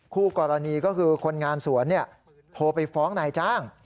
คู่กรณีก็คือคนงานสวนโทรไปฟ้องนายจ้าง